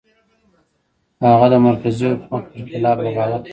هغه د مرکزي حکومت پر خلاف بغاوت کړی و.